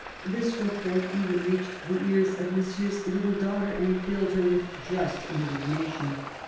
This report even reached the ears of Monsieur's little daugliter, and filled her with just indignation.